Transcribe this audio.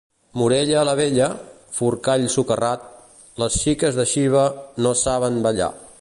Morella la Vella, Forcall socarrat, les xiques de Xiva no saben ballar.